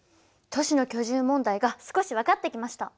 都市の居住問題が少し分かってきました。